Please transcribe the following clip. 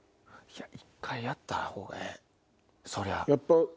一回やったほうがええ。